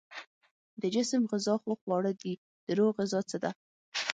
د جسم غذا خو خواړه دي، د روح غذا څه ده؟